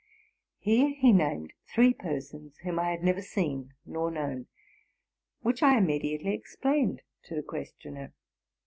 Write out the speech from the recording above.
.'' Here he named three persons whom I had never seen nor known, which I immediately ex plained to the questioner.